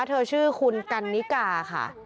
เธอชื่อคุณกันนิกาค่ะ